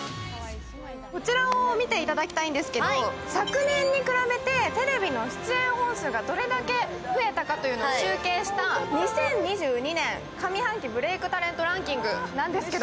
こちらを見ていただきたいんですけど昨年に比べてテレビの出演本数がどれだけ増えたかを集計した、２０２２年上半期ブレイクタレントランキングです。